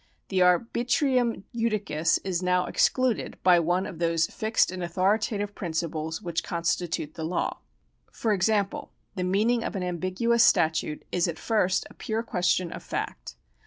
The arhitrium judicis is now excluded by one of those fixed and authoritative principles which constitute the law. For example, the meaning of an ambiguous statute is at first a pure question of fact.